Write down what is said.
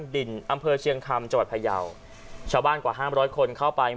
ดินอำเภอเชียงคำจังหวัดพยาวชาวบ้านกว่าห้ามร้อยคนเข้าไป